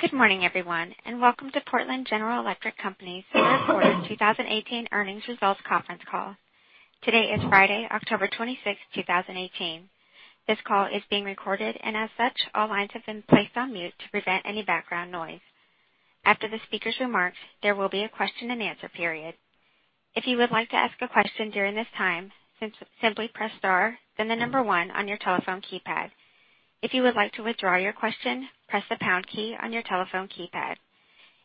Good morning, everyone, and welcome to Portland General Electric Company's third quarter 2018 earnings results conference call. Today is Friday, October 26th, 2018. This call is being recorded, and as such, all lines have been placed on mute to prevent any background noise. After the speaker's remarks, there will be a question and answer period. If you would like to ask a question during this time, simply press star, then the number one on your telephone keypad. If you would like to withdraw your question, press the pound key on your telephone keypad.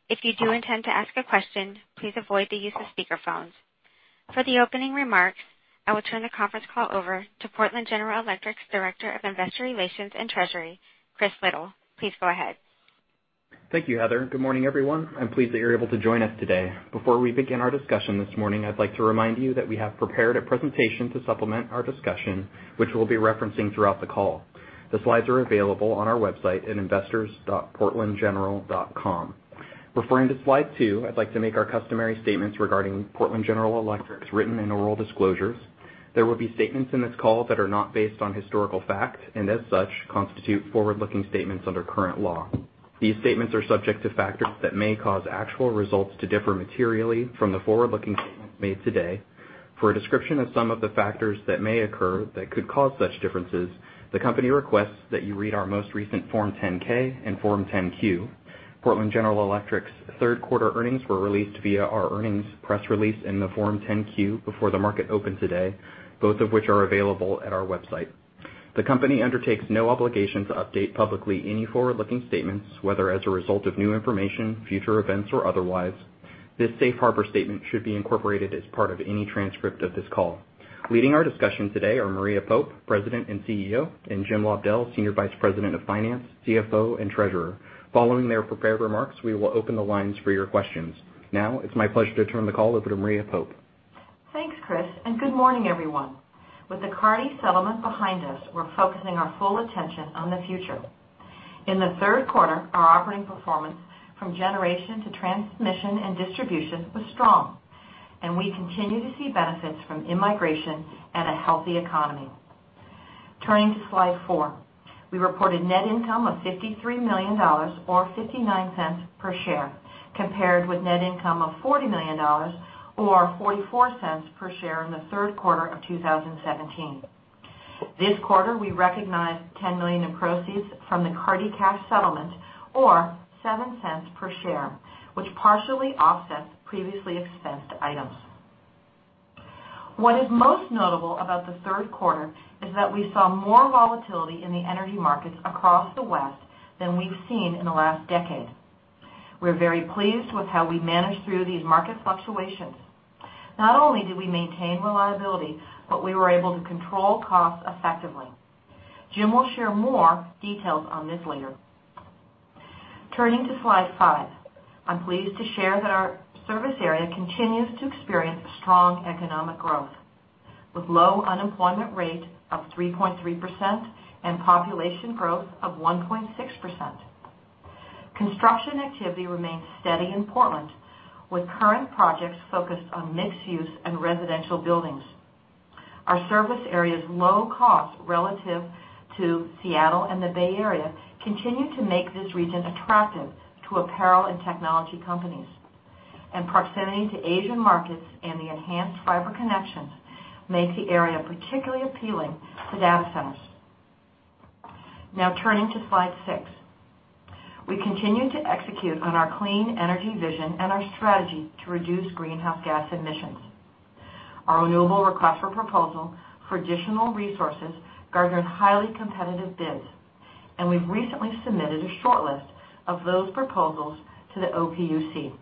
If you do intend to ask a question, please avoid the use of speakerphones. For the opening remarks, I will turn the conference call over to Portland General Electric's Director of Investor Relations and Treasury, Christopher Liddle. Please go ahead. Thank you, Heather. Good morning, everyone. I'm pleased that you're able to join us today. Before we begin our discussion this morning, I'd like to remind you that we have prepared a presentation to supplement our discussion, which we'll be referencing throughout the call. The slides are available on our website at investors.portlandgeneral.com. Referring to slide two, I'd like to make our customary statements regarding Portland General Electric's written and oral disclosures. There will be statements in this call that are not based on historical fact, and as such, constitute forward-looking statements under current law. These statements are subject to factors that may cause actual results to differ materially from the forward-looking statements made today. For a description of some of the factors that may occur that could cause such differences, the company requests that you read our most recent Form 10-K and Form 10-Q. Portland General Electric's third quarter earnings were released via our earnings press release in the Form 10-Q before the market opened today, both of which are available at our website. The company undertakes no obligation to update publicly any forward-looking statements, whether as a result of new information, future events, or otherwise. This safe harbor statement should be incorporated as part of any transcript of this call. Leading our discussion today are Maria Pope, President and CEO, and Jim Lobdell, Senior Vice President of Finance, CFO, and Treasurer. Following their prepared remarks, we will open the lines for your questions. It's my pleasure to turn the call over to Maria Pope. Thanks, Chris. Good morning, everyone. With the Carty settlement behind us, we're focusing our full attention on the future. In the third quarter, our operating performance from generation to transmission and distribution was strong. We continue to see benefits from in-migration and a healthy economy. Turning to slide four. We reported net income of $53 million, or $0.59 per share, compared with net income of $40 million, or $0.44 per share in the third quarter of 2017. This quarter, we recognized $10 million in proceeds from the Carty cash settlement, or $0.07 per share, which partially offsets previously expensed items. What is most notable about the third quarter is that we saw more volatility in the energy markets across the West than we've seen in the last decade. We're very pleased with how we managed through these market fluctuations. Not only did we maintain reliability, but we were able to control costs effectively. Jim will share more details on this later. Turning to slide five. I'm pleased to share that our service area continues to experience strong economic growth, with low unemployment rate of 3.3% and population growth of 1.6%. Construction activity remains steady in Portland, with current projects focused on mixed-use and residential buildings. Our service area's low cost relative to Seattle and the Bay Area continue to make this region attractive to apparel and technology companies. Proximity to Asian markets and the enhanced fiber connections make the area particularly appealing to data centers. Now turning to slide six. We continue to execute on our clean energy vision and our strategy to reduce greenhouse gas emissions. Our renewable request for proposal for additional resources garnered highly competitive bids. We've recently submitted a short list of those proposals to the OPUC.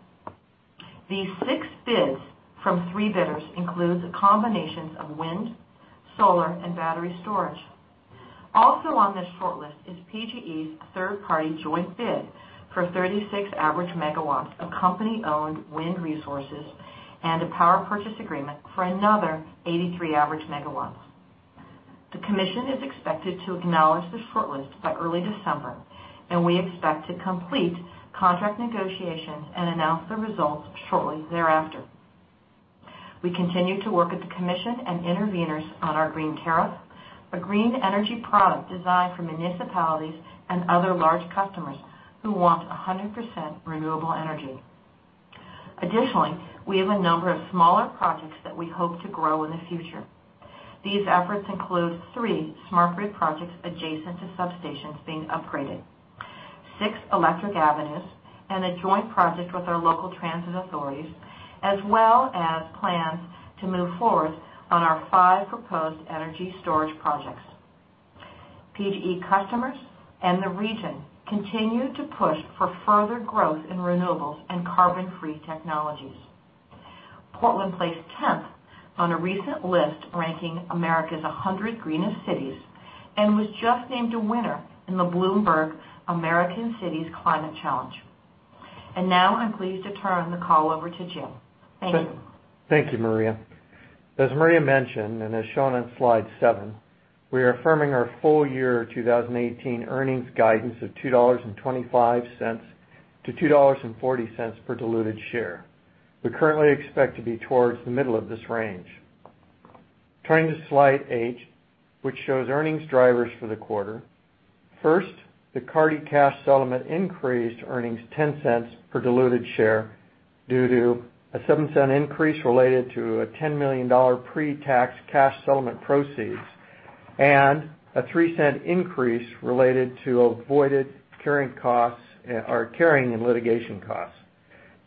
These six bids from three bidders includes a combination of wind, solar, and battery storage. Also on this short list is PGE's third-party joint bid for 36 average megawatts of company-owned wind resources and a power purchase agreement for another 83 average megawatts. The commission is expected to acknowledge this short list by early December. We expect to complete contract negotiations and announce the results shortly thereafter. We continue to work with the commission and interveners on our green tariff, a green energy product designed for municipalities and other large customers who want 100% renewable energy. Additionally, we have a number of smaller projects that we hope to grow in the future. These efforts include three smart grid projects adjacent to substations being upgraded, six Electric Avenues, and a joint project with our local transit authorities, as well as plans to move forward on our five proposed energy storage projects. PGE customers and the region continue to push for further growth in renewables and carbon-free technologies. Portland placed tenth on a recent list ranking America's 100 greenest cities and was just named a winner in the Bloomberg American Cities Climate Challenge. Now I'm pleased to turn the call over to Jim. Thank you. Thank you, Maria. As Maria mentioned, as shown on slide seven, we are affirming our full year 2018 earnings guidance of $2.25-$2.40 per diluted share. We currently expect to be towards the middle of this range. Turning to slide eight, which shows earnings drivers for the quarter. First, the Carty cash settlement increased earnings $0.10 per diluted share due to a $0.07 increase related to a $10 million pre-tax cash settlement proceeds and a $0.03 increase related to avoided carrying costs or carrying and litigation costs.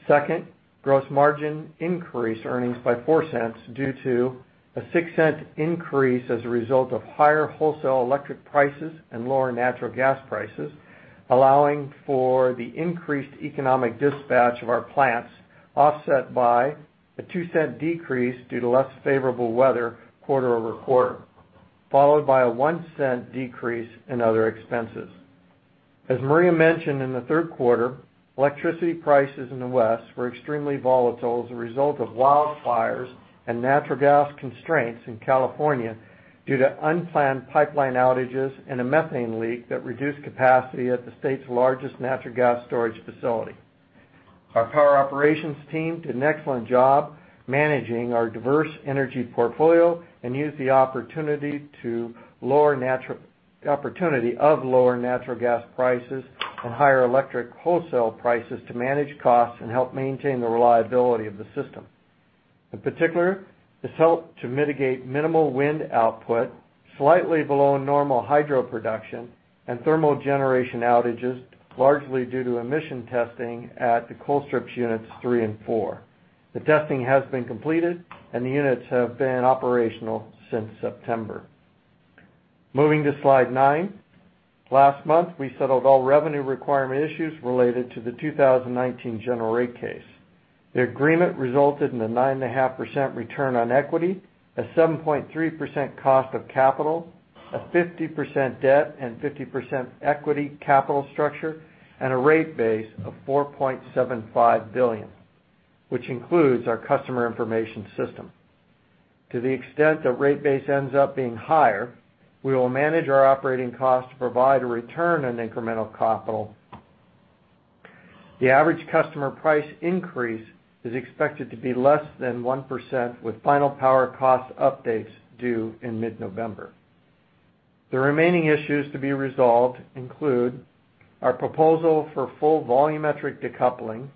Second, gross margin increased earnings by $0.04 due to a $0.06 increase as a result of higher wholesale electric prices and lower natural gas prices, allowing for the increased economic dispatch of our plants, offset by a $0.02 decrease due to less favorable weather quarter-over-quarter, followed by a $0.01 decrease in other expenses. As Maria mentioned in the third quarter, electricity prices in the West were extremely volatile as a result of wildfires and natural gas constraints in California due to unplanned pipeline outages and a methane leak that reduced capacity at the state's largest natural gas storage facility. Our power operations team did an excellent job managing our diverse energy portfolio and used the opportunity of lower natural gas prices and higher electric wholesale prices to manage costs and help maintain the reliability of the system. In particular, this helped to mitigate minimal wind output, slightly below normal hydro production, and thermal generation outages, largely due to emission testing at the Colstrip units 3 and 4. The testing has been completed, and the units have been operational since September. Moving to slide nine. Last month, we settled all revenue requirement issues related to the 2019 general rate case. The agreement resulted in a 9.5% return on equity, a 7.3% cost of capital, a 50% debt and 50% equity capital structure, and a rate base of $4.75 billion, which includes our customer information system. To the extent the rate base ends up being higher, we will manage our operating costs to provide a return on incremental capital. The average customer price increase is expected to be less than 1% with final power cost updates due in mid-November. The remaining issues to be resolved include our proposal for full volumetric decoupling,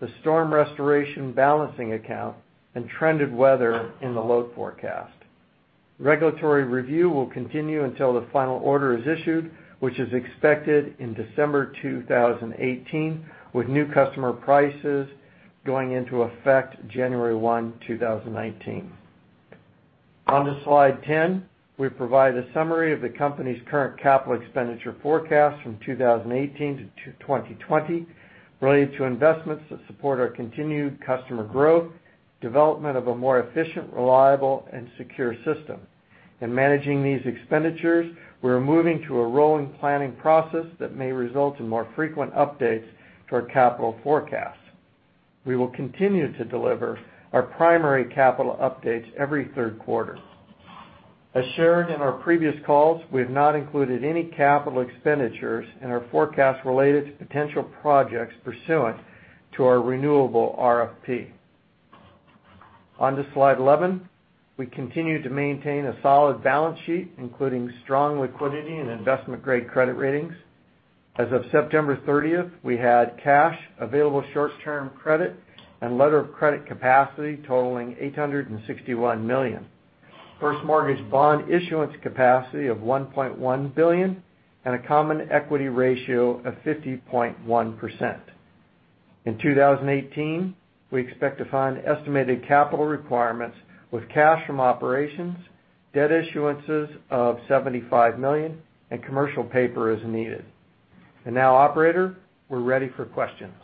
the storm restoration balancing account, and trended weather in the load forecast. Regulatory review will continue until the final order is issued, which is expected in December 2018, with new customer prices going into effect January one, 2019. On to slide 10, we provide a summary of the company's current capital expenditure forecast from 2018 to 2020 related to investments that support our continued customer growth, development of a more efficient, reliable and secure system. In managing these expenditures, we're moving to a rolling planning process that may result in more frequent updates to our capital forecast. We will continue to deliver our primary capital updates every third quarter. As shared in our previous calls, we have not included any capital expenditures in our forecast related to potential projects pursuant to our renewable RFP. On to slide 11. We continue to maintain a solid balance sheet, including strong liquidity and investment-grade credit ratings. As of September 30th, we had cash, available short-term credit, and letter of credit capacity totaling $861 million, first mortgage bond issuance capacity of $1.1 billion, and a common equity ratio of 50.1%. In 2018, we expect to fund estimated capital requirements with cash from operations, debt issuances of $75 million, and commercial paper as needed. Now, operator, we're ready for questions.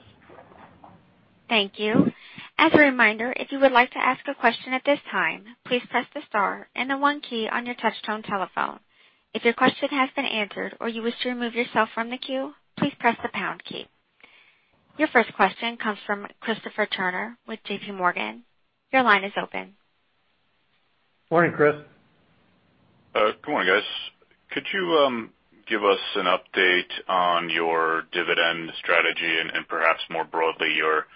Thank you. As a reminder, if you would like to ask a question at this time, please press the star and the 1 key on your touchtone telephone. If your question has been answered or you wish to remove yourself from the queue, please press the pound key. Your first question comes from Christopher Turner with JPMorgan. Your line is open. Morning, Chris. Good morning, guys. Could you give us an update on your dividend strategy and perhaps more broadly, your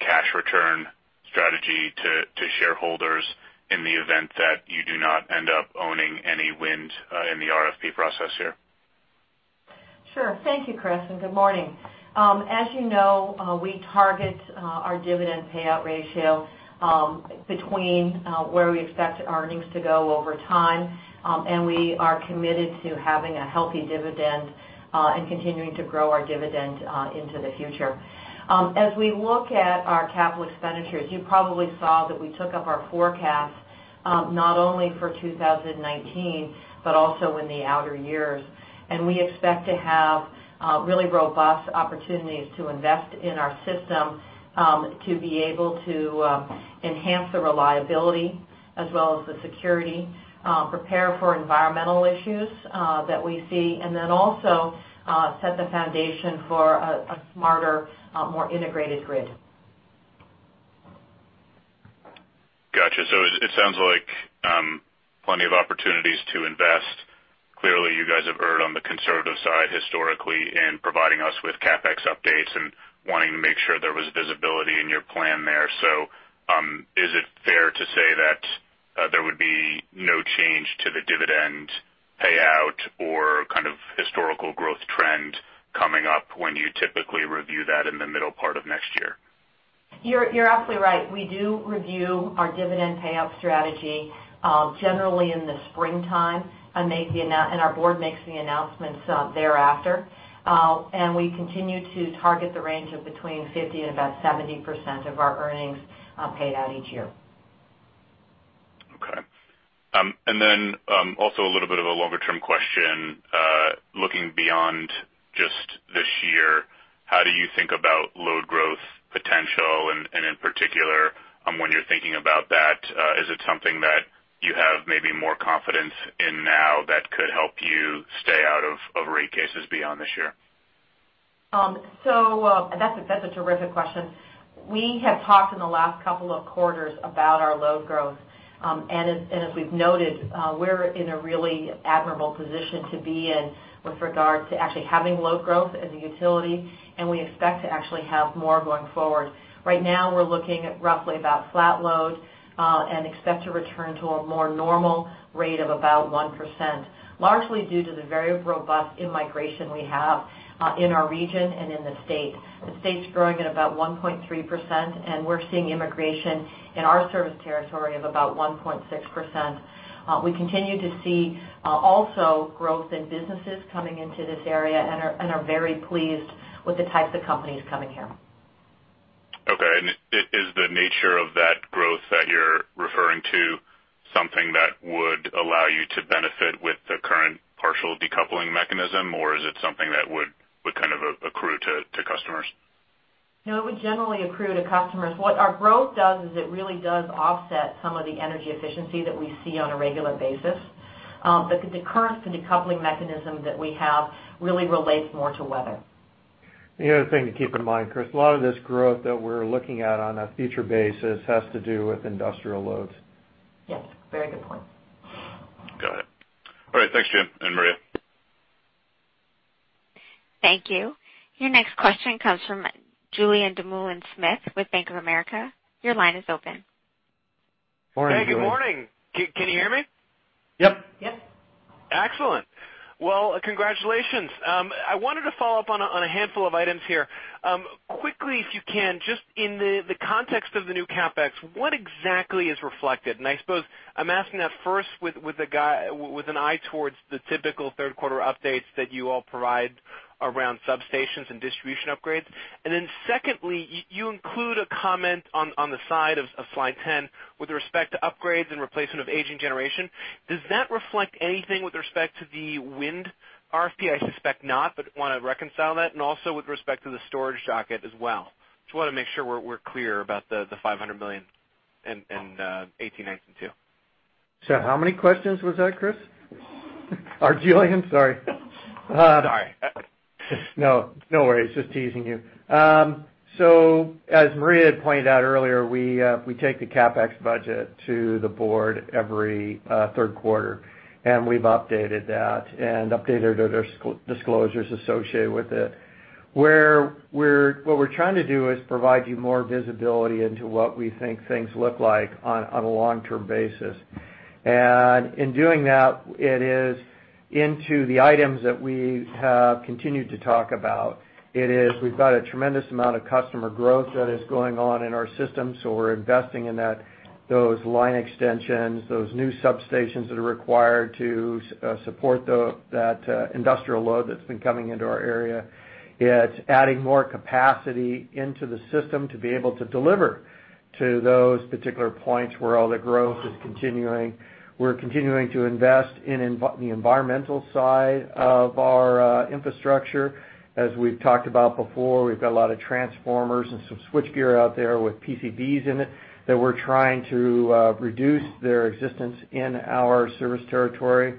cash return strategy to shareholders in the event that you do not end up owning any wind in the RFP process here? Sure. Thank you, Chris, and good morning. As you know, we target our dividend payout ratio between where we expect earnings to go over time, and we are committed to having a healthy dividend, and continuing to grow our dividend into the future. As we look at our capital expenditures, you probably saw that we took up our forecast, not only for 2019, but also in the outer years. We expect to have really robust opportunities to invest in our system, to be able to enhance the reliability as well as the security, prepare for environmental issues that we see, and then also set the foundation for a smarter, more integrated grid. Got you. It sounds like plenty of opportunities to invest. Clearly, you guys historically in providing us with CapEx updates and wanting to make sure there was visibility in your plan there. Is it fair to say that there would be no change to the dividend payout or historical growth trend coming up when you typically review that in the middle part of next year? You're absolutely right. We do review our dividend payout strategy, generally in the springtime, and our board makes the announcements thereafter. We continue to target the range of between 50% and about 70% of our earnings paid out each year. Okay. Also a little bit of a longer-term question, looking beyond just this year, how do you think about load growth potential? In particular, when you're thinking about that, is it something that you have maybe more confidence in now that could help you stay out of rate cases beyond this year? That's a terrific question. We have talked in the last couple of quarters about our load growth. As we've noted, we're in a really admirable position to be in with regard to actually having load growth as a utility, we expect to actually have more going forward. Right now, we're looking at roughly about flat load, expect to return to a more normal rate of about 1%, largely due to the very robust in-migration we have, in our region and in the state. The state's growing at about 1.3%, we're seeing in-migration in our service territory of about 1.6%. We continue to see also growth in businesses coming into this area and are very pleased with the types of companies coming here. Okay. Is the nature of that growth that you're referring to something that would allow you to benefit with the current partial decoupling mechanism, or is it something that would accrue to customers? No, it would generally accrue to customers. What our growth does is it really does offset some of the energy efficiency that we see on a regular basis. The current decoupling mechanism that we have really relates more to weather. The other thing to keep in mind, Chris, a lot of this growth that we're looking at on a future basis has to do with industrial loads. Yes. Very good point. Got it. All right. Thanks, Jim and Maria. Thank you. Your next question comes from Julien Dumoulin-Smith with Bank of America. Your line is open. Morning, Julien. Hey, good morning. Can you hear me? Yep. Yep. Excellent. Well, congratulations. I wanted to follow up on a handful of items here. Quickly if you can, just in the context of the new CapEx, what exactly is reflected? I suppose I am asking that first with an eye towards the typical third quarter updates that you all provide around substations and distribution upgrades. Secondly, you include a comment on the side of slide 10 with respect to upgrades and replacement of aging generation. Does that reflect anything with respect to the wind RFP? I suspect not, but want to reconcile that, and also with respect to the storage docket as well. Just want to make sure we are clear about the $500 million in 2018, 2019, and 2020. How many questions was that, Chris? Or Julien? Sorry. Sorry. No, no worries. Just teasing you. As Maria had pointed out earlier, we take the CapEx budget to the board every third quarter, we have updated that and updated the disclosures associated with it. What we are trying to do is provide you more visibility into what we think things look like on a long-term basis. In doing that, it is into the items that we have continued to talk about. It is we have got a tremendous amount of customer growth that is going on in our system, so we are investing in those line extensions, those new substations that are required to support that industrial load that has been coming into our area. It is adding more capacity into the system to be able to deliver to those particular points where all the growth is continuing. We are continuing to invest in the environmental side of our infrastructure. As we have talked about before, we have got a lot of transformers and some switchgear out there with PCBs in it that we are trying to reduce their existence in our service territory.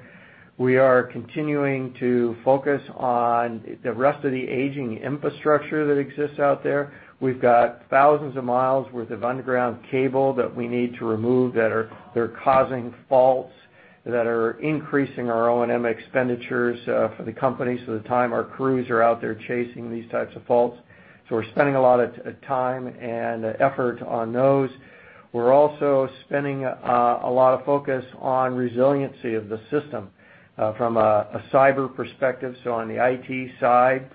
We are continuing to focus on the rest of the aging infrastructure that exists out there. We have got thousands of miles worth of underground cable that we need to remove that are causing faults that are increasing our O&M expenditures for the company. The time our crews are out there chasing these types of faults. We are spending a lot of time and effort on those. We are also spending a lot of focus on resiliency of the system, from a cyber perspective, on the IT side,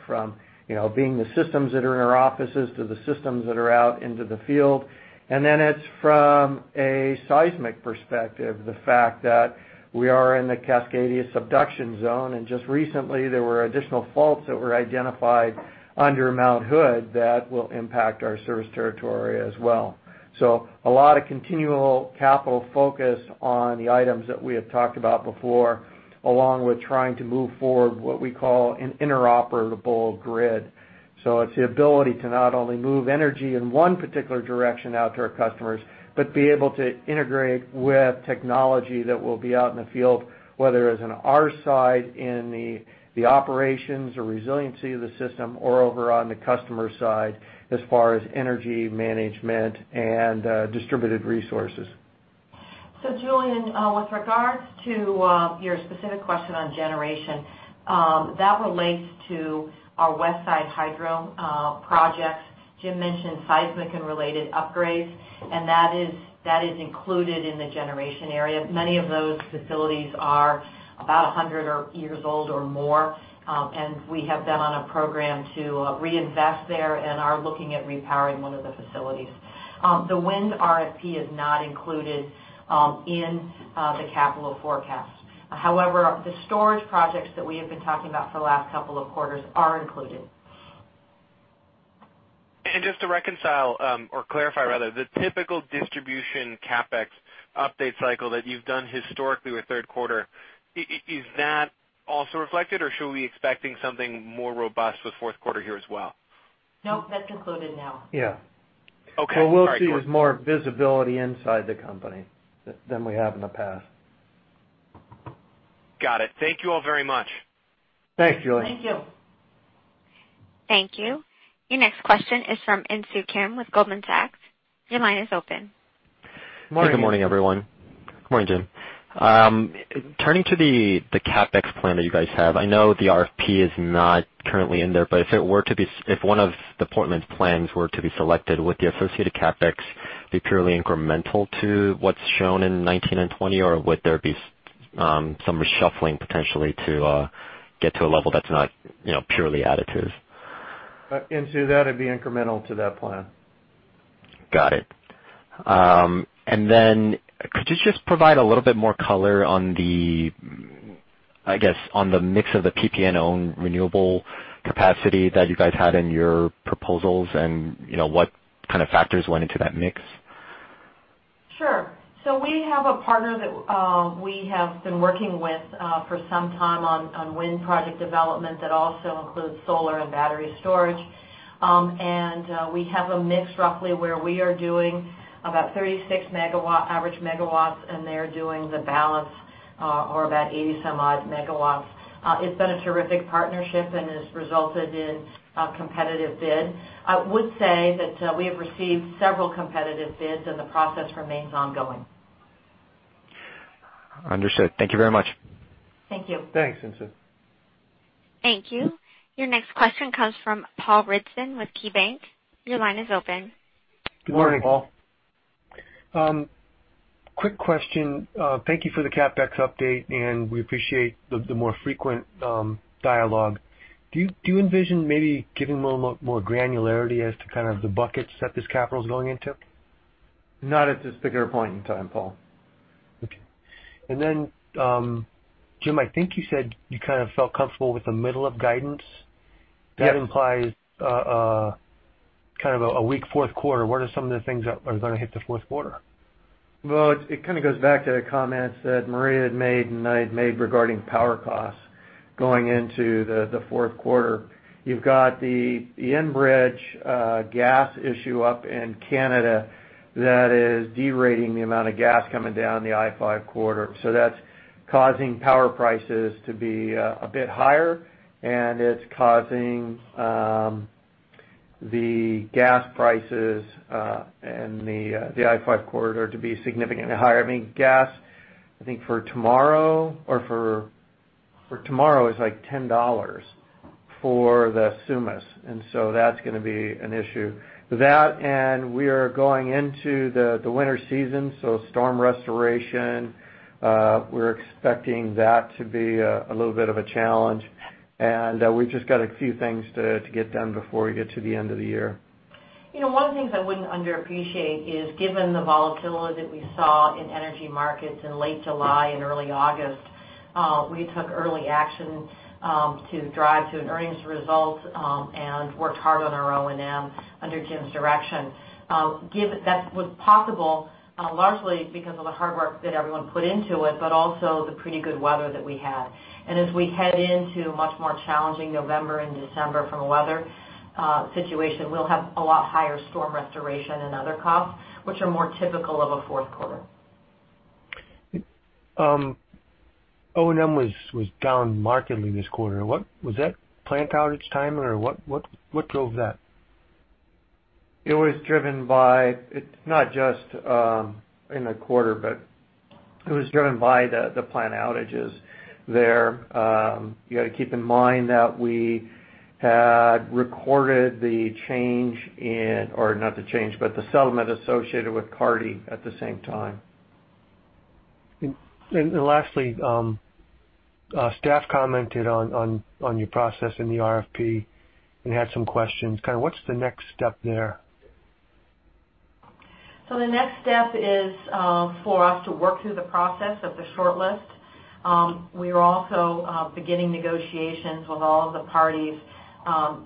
from being the systems that are in our offices to the systems that are out into the field. It's from a seismic perspective, the fact that we are in the Cascadia subduction zone, and just recently there were additional faults that were identified under Mount Hood that will impact our service territory as well. A lot of continual capital focus on the items that we have talked about before, along with trying to move forward what we call an interoperable grid. It's the ability to not only move energy in one particular direction out to our customers, but be able to integrate with technology that will be out in the field, whether it's on our side in the operations or resiliency of the system, or over on the customer side as far as energy management and distributed resources. Julien, with regards to your specific question on generation, that relates to our Westside Hydro project. Jim mentioned seismic and related upgrades, and that is included in the generation area. Many of those facilities are about 100 years old or more, and we have been on a program to reinvest there and are looking at repowering one of the facilities. The wind RFP is not included in the capital forecast. However, the storage projects that we have been talking about for the last couple of quarters are included. Just to reconcile, or clarify rather, the typical distribution CapEx update cycle that you've done historically with third quarter, is that also reflected, or should we be expecting something more robust with fourth quarter here as well? No, that's included now. Yeah. Okay. All right, George. What we'll see is more visibility inside the company than we have in the past. Got it. Thank you all very much. Thanks, Julien. Thank you. Thank you. Your next question is from Insu Kim with Goldman Sachs. Your line is open. Good morning, everyone. Good morning, Jim. Turning to the CapEx plan that you guys have, I know the RFP is not currently in there, but if one of the Portland plans were to be selected, would the associated CapEx be purely incremental to what's shown in 2019 and 2020, or would there be some reshuffling potentially to get to a level that's not purely additive? Insu, that'd be incremental to that plan. Got it. Could you just provide a little bit more color on the mix of the PGE-owned renewable capacity that you guys had in your proposals and what kind of factors went into that mix? Sure. We have a partner that we have been working with for some time on wind project development that also includes solar and battery storage. We have a mix roughly where we are doing about 36 average megawatts, and they're doing the balance, or about 80 some odd megawatts. It's been a terrific partnership and has resulted in a competitive bid. I would say that we have received several competitive bids, and the process remains ongoing. Understood. Thank you very much. Thank you. Thanks, Insu. Thank you. Your next question comes from Paul Ridzon with KeyBank. Your line is open. Good morning. Good morning, Paul. Quick question. Thank you for the CapEx update, and we appreciate the more frequent dialogue. Do you envision maybe giving a little more granularity as to kind of the buckets that this capital's going into? Not at this particular point in time, Paul. Okay. Jim, I think you said you kind of felt comfortable with the middle of guidance? Yes. That implies kind of a weak fourth quarter. What are some of the things that are going to hit the fourth quarter? It kind of goes back to the comments that Maria had made and I had made regarding power costs going into the fourth quarter. You've got the Enbridge gas issue up in Canada that is de-rating the amount of gas coming down the I-5 corridor. That's causing power prices to be a bit higher, and it's causing the gas prices in the I-5 corridor to be significantly higher. Gas, I think for tomorrow, is like $10 for the Sumas. That's going to be an issue. That, we are going into the winter season, storm restoration, we're expecting that to be a little bit of a challenge. We've just got a few things to get done before we get to the end of the year. One of the things I wouldn't underappreciate is, given the volatility that we saw in energy markets in late July and early August, we took early action to drive to an earnings result and worked hard on our O&M under Jim's direction. That was possible largely because of the hard work that everyone put into it, but also the pretty good weather that we had. As we head into a much more challenging November and December from a weather situation, we'll have a lot higher storm restoration and other costs, which are more typical of a fourth quarter. O&M was down markedly this quarter. Was that plant outage time, or what drove that? It was driven by, not just in the quarter, but it was driven by the plant outages there. You got to keep in mind that we had recorded the change in, or not the change, but the settlement associated with Carty at the same time. Lastly, staff commented on your process in the RFP and had some questions. What's the next step there? The next step is for us to work through the process of the short list. We are also beginning negotiations with all of the parties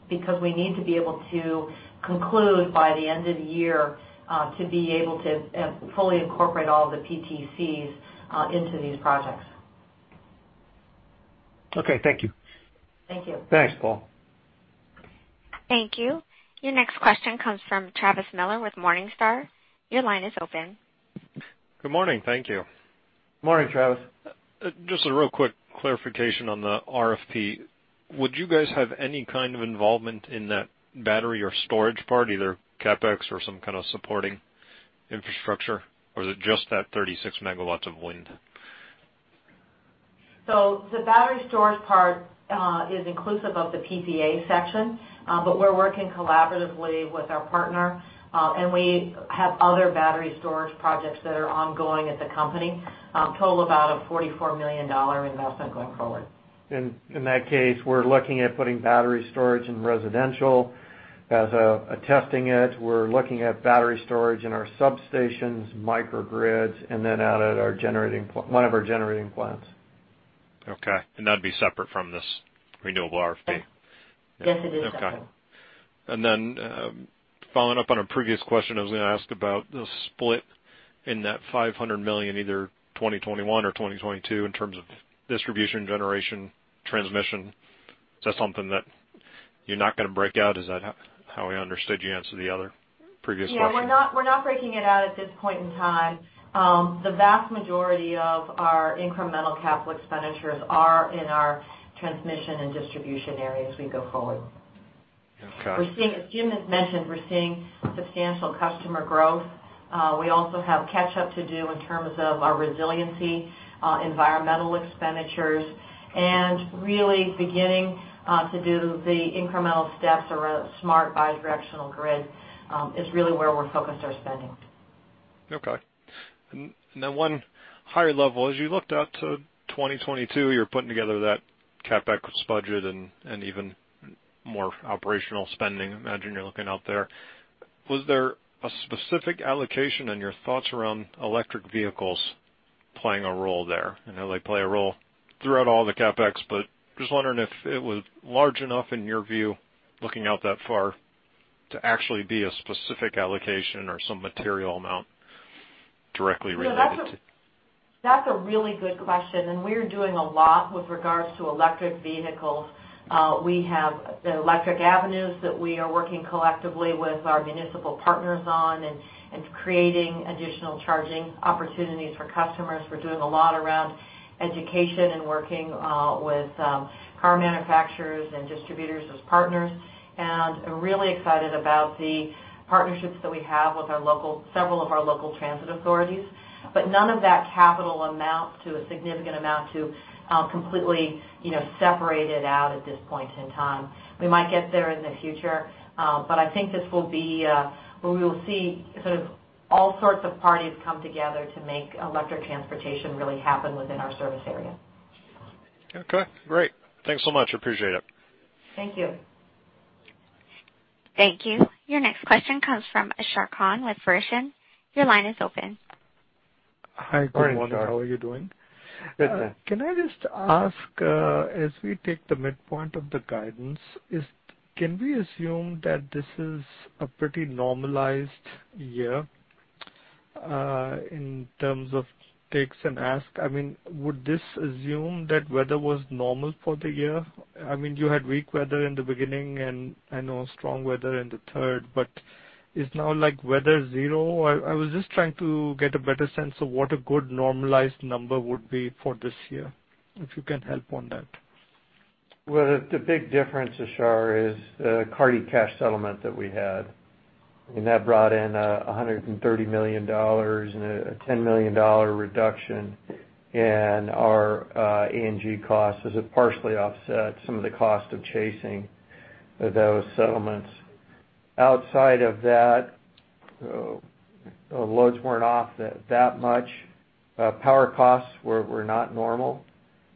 because we need to be able to conclude by the end of the year to be able to fully incorporate all the PTCs into these projects. Okay. Thank you. Thank you. Thanks, Paul. Thank you. Your next question comes from Travis Miller with Morningstar. Your line is open. Good morning. Thank you. Morning, Travis. Just a real quick clarification on the RFP. Would you guys have any kind of involvement in that battery or storage part, either CapEx or some kind of supporting infrastructure? Or is it just that 36 megawatts of wind? The battery storage part is inclusive of the PPA section. We're working collaboratively with our partner. We have other battery storage projects that are ongoing at the company, total about a $44 million investment going forward. In that case, we're looking at putting battery storage in residential as a testing it. We're looking at battery storage in our substations, microgrids, and then out at one of our generating plants. Okay. That'd be separate from this renewable RFP? Yes, it is separate. Okay. Then, following up on a previous question I was going to ask about the split in that $500 million, either 2021 or 2022, in terms of distribution, generation, transmission. Is that something that you're not going to break out? Is that how I understood you answer the other previous question? Yeah, we're not breaking it out at this point in time. The vast majority of our incremental capital expenditures are in our transmission and distribution areas as we go forward. Okay. As Jim has mentioned, we're seeing substantial customer growth. We also have catch-up to do in terms of our resiliency, environmental expenditures, and really beginning to do the incremental steps around a smart bi-directional grid, is really where we're focused our spending. Okay. Then one higher level, as you looked out to 2022, you're putting together that CapEx budget and even more operational spending. I imagine you're looking out there. Was there a specific allocation on your thoughts around electric vehicles playing a role there? I know they play a role throughout all the CapEx, but just wondering if it was large enough in your view, looking out that far, to actually be a specific allocation or some material amount directly related to. That's a really good question. We're doing a lot with regards to electric vehicles. We have the Electric Avenues that we are working collectively with our municipal partners on and creating additional charging opportunities for customers. We're doing a lot around education and working with car manufacturers and distributors as partners. Are really excited about the partnerships that we have with several of our local transit authorities. None of that capital amounts to a significant amount to completely separate it out at this point in time. We might get there in the future, but I think this will be where we will see sort of all sorts of parties come together to make electric transportation really happen within our service area. Okay, great. Thanks so much. Appreciate it. Thank you. Thank you. Your next question comes from Ashar Khan with Verition. Your line is open. Hi, good morning. Morning, Ashar. How are you doing? Good, thanks. Can I just ask, as we take the midpoint of the guidance, can we assume that this is a pretty normalized year, in terms of tax and A&G? Would this assume that weather was normal for the year? You had weak weather in the beginning and I know strong weather in the third, but is now like weather zero? I was just trying to get a better sense of what a good normalized number would be for this year, if you can help on that. Well, the big difference, Shar, is Carty cash settlement that we had. That brought in $130 million and a $10 million reduction in our A&G costs as it partially offset some of the cost of chasing those settlements. Outside of that, loads weren't off that much. Power costs were not normal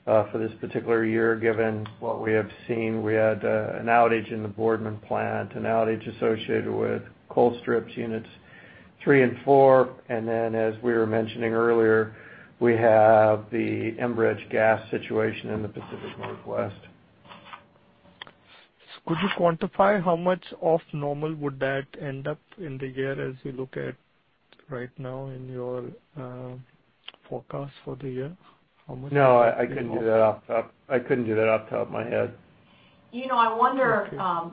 for this particular year, given what we have seen. We had an outage in the Boardman plant, an outage associated with Colstrip units 3 and 4. Then as we were mentioning earlier, we have the Enbridge gas situation in the Pacific Northwest. Could you quantify how much off normal would that end up in the year as you look at right now in your forecast for the year? I couldn't do that off the top of my head. I wonder,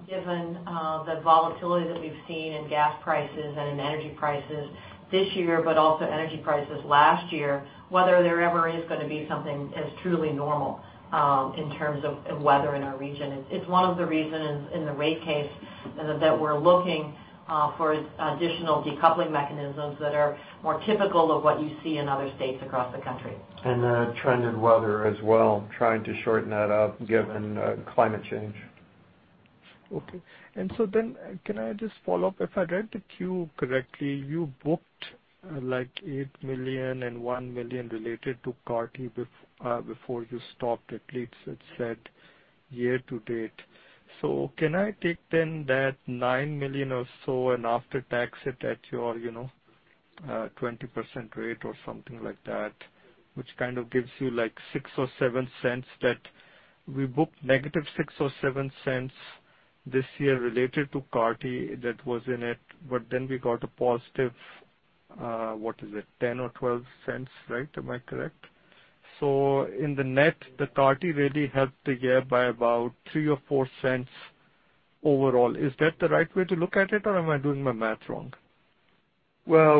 given the volatility that we've seen in gas prices and in energy prices this year but also energy prices last year, whether there ever is going to be something as truly normal, in terms of weather in our region. It's one of the reasons in the rate case that we're looking for additional decoupling mechanisms that are more typical of what you see in other states across the country. The trend in weather as well, trying to shorten that up given climate change. Okay. Can I just follow up? If I read the Q correctly, you booked like $8 million and $1 million related to Carty before you stopped. At least it said year to date. Can I take then that $9 million or so and after tax it at your 20% rate or something like that, which kind of gives you like $0.06 or $0.07 that we booked negative $0.06 or $0.07 this year related to Carty that was in it, but then we got a positive, what is it, $0.10 or $0.12, right? Am I correct? In the net, the Carty really helped the year by about $0.03 or $0.04 overall, is that the right way to look at it, or am I doing my math wrong? Well,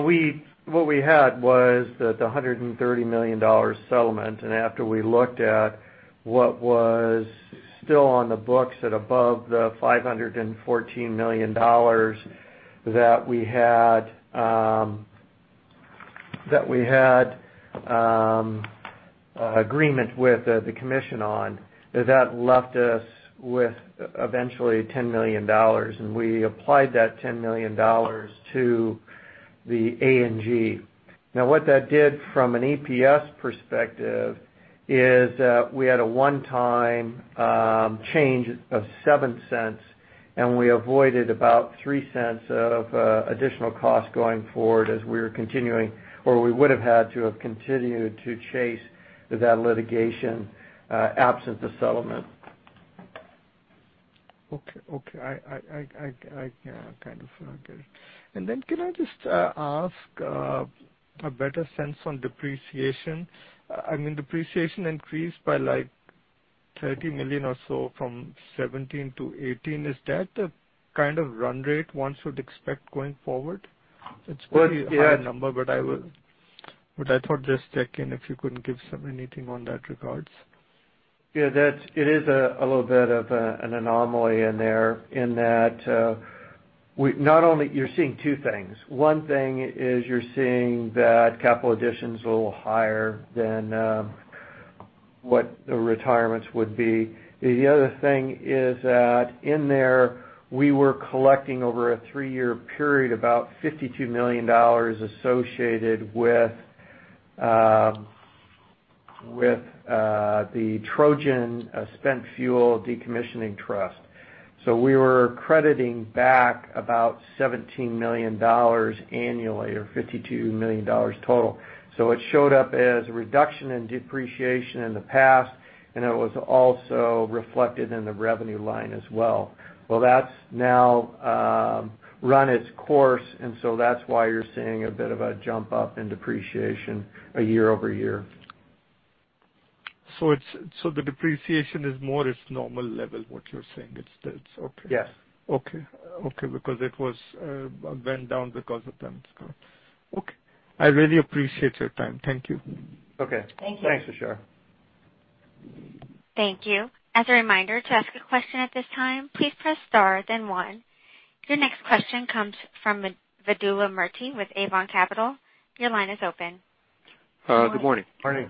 what we had was the $130 million settlement, after we looked at what was still on the books at above the $514 million that we had agreement with the commission on, that left us with eventually $10 million. We applied that $10 million to the A&G. What that did from an EPS perspective is that we had a one-time change of $0.07, and we avoided about $0.03 of additional cost going forward as we were continuing, or we would have had to have continued to chase that litigation absent the settlement. Okay. I kind of get it. Can I just ask a better sense on depreciation? Depreciation increased by $30 million or so from 2017 to 2018. Is that the kind of run rate one should expect going forward? Well, yeah. It's a pretty high number, I thought just check in if you could give some anything in that regard. Yeah, it is a little bit of an anomaly in there, in that you're seeing two things. One thing is you're seeing that capital additions a little higher than what the retirements would be. The other thing is that in there, we were collecting over a three-year period, about $52 million associated with the Trojan Nuclear Decommissioning Trust Fund. We were crediting back about $17 million annually, or $52 million total. It showed up as a reduction in depreciation in the past, and it was also reflected in the revenue line as well. Well, that's now run its course, and so that's why you're seeing a bit of a jump up in depreciation year-over-year. The depreciation is more its normal level, what you're saying? It's okay. Yes. Okay. Because it went down because of them. Okay. I really appreciate your time. Thank you. Okay. Thank you. Thanks, Ashar. Thank you. As a reminder, to ask a question at this time, please press star, then one. Your next question comes from Vidula Marti with Avon Capital. Your line is open. Good morning. Morning.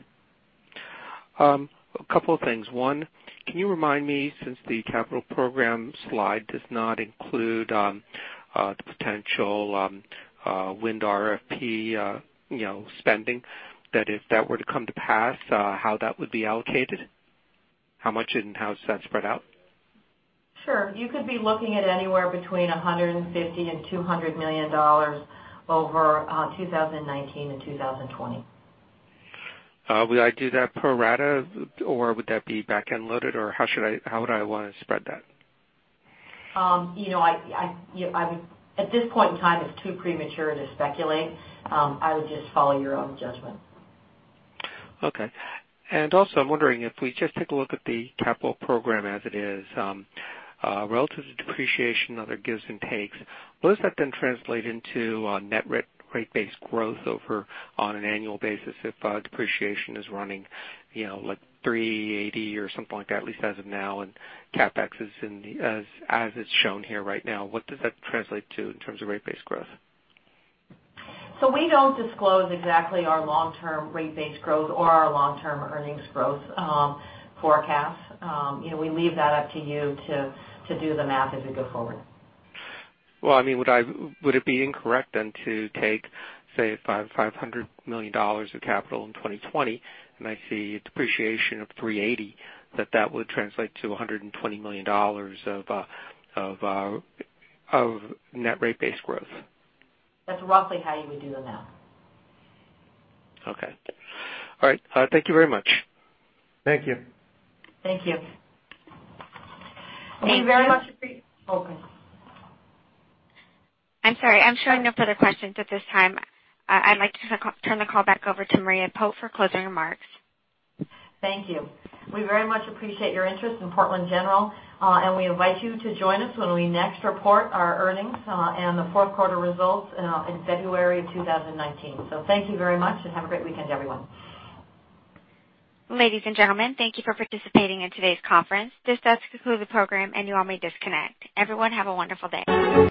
A couple of things. One, can you remind me, since the capital program slide does not include the potential wind RFP spending, that if that were to come to pass, how that would be allocated? How much and how is that spread out? Sure. You could be looking at anywhere between $150 million and $200 million over 2019 and 2020. Would I do that pro rata, or would that be back-end loaded, or how would I want to spread that? At this point in time, it's too premature to speculate. I would just follow your own judgment. Okay. Also, I'm wondering if we just take a look at the capital program as it is. Relative to depreciation and other gives and takes, will this then translate into net rate base growth over on an annual basis if depreciation is running $380 or something like that, at least as of now, and CapEx is in as it's shown here right now. What does that translate to in terms of rate base growth? We don't disclose exactly our long-term rate base growth or our long-term earnings growth forecast. We leave that up to you to do the math as we go forward. Well, would it be incorrect then to take, say, $500 million of capital in 2020, and I see a depreciation of $380, that would translate to $120 million of net rate base growth? That's roughly how you would do the math. Okay. All right. Thank you very much. Thank you. Thank you. We very much. Okay. I'm sorry. I'm showing no further questions at this time. I'd like to turn the call back over to Maria Pope for closing remarks. Thank you. We very much appreciate your interest in Portland General, and we invite you to join us when we next report our earnings and the fourth quarter results in February 2019. Thank you very much, and have a great weekend, everyone. Ladies and gentlemen, thank you for participating in today's conference. This does conclude the program, and you all may disconnect. Everyone, have a wonderful day.